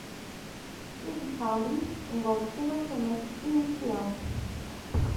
Seed Funding envolve financiamento inicial.